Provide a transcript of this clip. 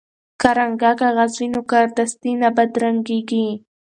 که رنګه کاغذ وي نو کارډستي نه بدرنګیږي.